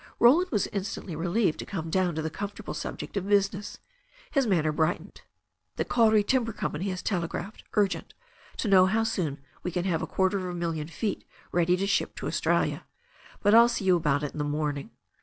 Roland was instantly relieved to come down to the comfortable subject of business. His manner bright ened. "The Kauri Timber Company has telegraphed, urgent, to know how soon we can have a quarter of a mil lion feet ready to ship to Australia. But Til see you about it in the morning."